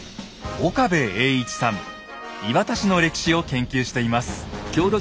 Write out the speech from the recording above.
磐田市の歴史を研究しています。